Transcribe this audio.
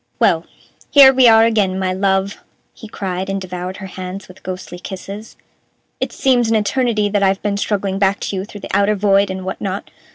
"Well, here we are again, my love!" he cried, and devoured her hands with ghostly kisses. "It seems an eternity that I've been struggling back to you through the outer void and what not.